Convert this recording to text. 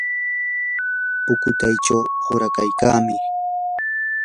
pukutaychaw uqrakankiman.